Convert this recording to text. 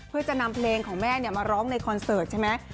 เพื่อจะนำเพลงของแม่มาร้องในคอนเสิร์ตใช่ไหม